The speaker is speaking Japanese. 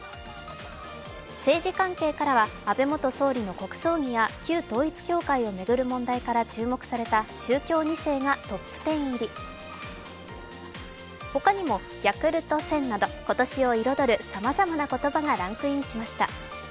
政治関係からは安倍総理の国葬儀や旧統一教会を巡る問題から注目された宗教２世がトップ１０入り他にもＹａｋｕｌｔ１０００など今年を彩るさまざまな言葉がランクインしました。